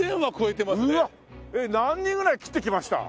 何人ぐらい斬ってきました？